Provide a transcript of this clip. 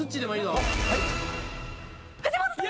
藤本さん！